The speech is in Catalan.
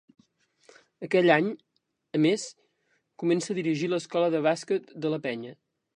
Aquell any, a més, comença a dirigir l'escola de bàsquet de la Penya.